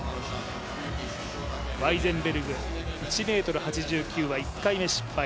ワイゼンベルグ、１ｍ８９は１回目失敗。